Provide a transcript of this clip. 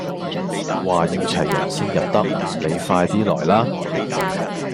話要齊人先入得，你快 D 來啦